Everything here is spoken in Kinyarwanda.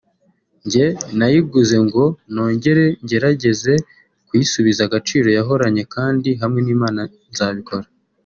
njye nayiguze ngo nongere ngerageze kuyisubiza agaciro yahoranye kandi hamwe n’Imana nzabikora